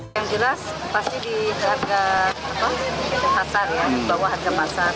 yang jelas pasti di harga kesehatan ya di bawah harga pasar